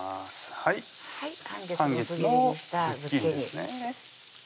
はい半月のズッキーニですね